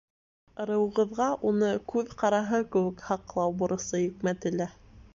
Ырыуығыҙға уны күҙ ҡараһы кеүек һаҡлау бурысы йөкмәтелә.